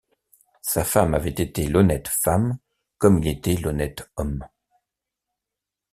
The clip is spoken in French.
Sa femme avait été l’honnête femme comme il était l’honnête homme.